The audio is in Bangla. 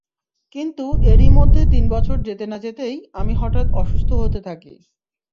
কিন্তু এরই মধ্যে তিন বছর যেতে না-যেতেই আমি হঠাৎ অসুস্থ হতে থাকি।